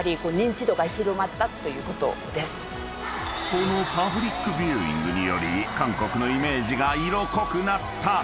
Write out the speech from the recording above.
［このパブリックビューイングにより韓国のイメージが色濃くなった新大久保］